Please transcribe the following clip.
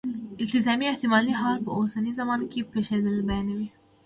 التزامي یا احتمالي حال په اوسنۍ زمانه کې پېښېدل بیانوي.